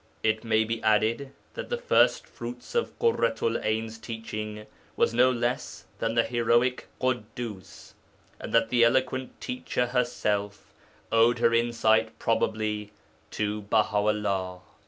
It may be added that the first fruits of Ḳurratu'l 'Ayn's teaching was no one less than the heroic Ḳuddus, and that the eloquent teacher herself owed her insight probably to Baha 'ullah.